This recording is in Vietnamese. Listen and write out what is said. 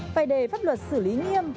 phải để pháp luật xử lý nghiêm